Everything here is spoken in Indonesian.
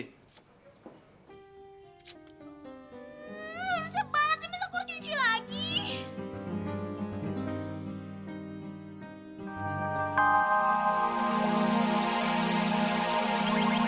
rusak banget sih bisa kurcunci lagi